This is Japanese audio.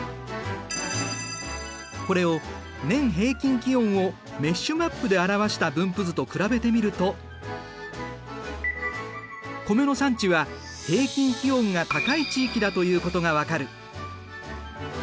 これを年平均気温をメッシュマップで表した分布図と比べてみると米の産地は平均気温が高い地域だということが分かる。